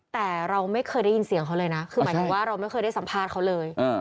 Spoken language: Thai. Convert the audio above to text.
แต่เราไม่เคยได้ยินเสียงเขาเลยนะคือหมายถึงว่าเราไม่เคยได้สัมภาษณ์เขาเลย